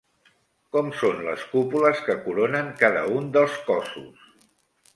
Com són les cúpules que coronen cada un dels cossos?